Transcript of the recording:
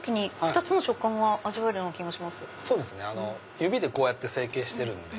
指でこうやって成形してるんで。